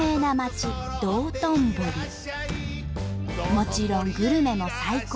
もちろんグルメも最高。